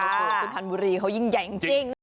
สุภัณฑ์บุรีเขายิ่งใหญ่จริง